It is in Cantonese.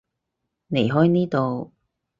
離開呢度